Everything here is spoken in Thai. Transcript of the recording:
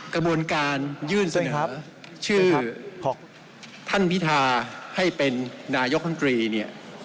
กระบวนการยื่นเสนอชื่อของท่านพิธาให้เป็นนายกรรมตรีเนี่ย